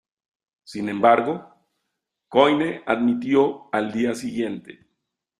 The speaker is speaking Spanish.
Sin embargo, Coyne dimitió al día siguiente.